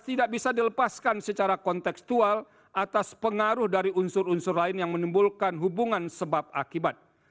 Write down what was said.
tidak bisa dilepaskan secara konteksual atas pengaruh dari unsur unsur lain yang menimbulkan hubungan sebab akibat